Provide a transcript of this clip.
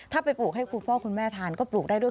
ถ้าไปปลูกให้คุณพ่อคุณแม่ทานก็ปลูกได้ด้วย